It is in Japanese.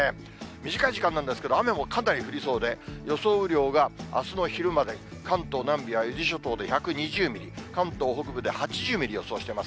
短い時間なんですけど、雨もかなり降りそうで、予想雨量があすの昼まで、関東南部や伊豆諸島で１２０ミリ、関東北部で８０ミリを予想しています。